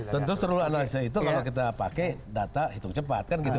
tentu seluruh analisa itu kalau kita pakai data hitung cepat kan gitu